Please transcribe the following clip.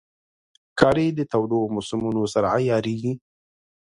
ښکاري د تودو موسمونو سره عیارېږي.